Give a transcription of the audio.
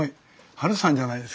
ハルさんじゃないですか。